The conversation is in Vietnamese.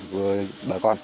với bà con